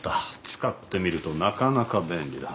使ってみるとなかなか便利だ。